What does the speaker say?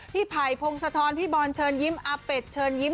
ไผ่พงศธรพี่บอลเชิญยิ้มอาเป็ดเชิญยิ้ม